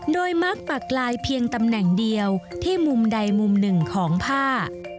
โดยมักปักลายเพียงตำแหน่งเดียวที่มุมใดมุมหนึ่งของผ้า